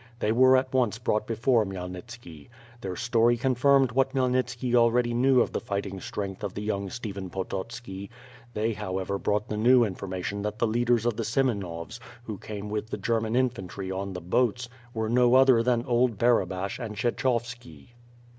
They were at once brought before Khymelnitski. Their story confirmed what Khymelnitski already knew of the fighting strength of the young Stephen Pototski; they however brought the new information that the leaders of the Semen ovs, who came with the German infantry on the boats, were no other than old Barabash and Kshechovski.